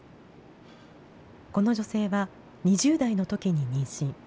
この女性は、２０代のときに妊娠。